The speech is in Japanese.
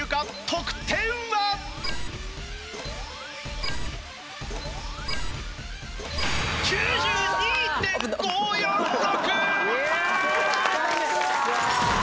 得点は！？９２．５４６！